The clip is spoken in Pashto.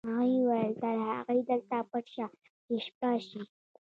هغې وویل تر هغې دلته پټ شه چې شپه شي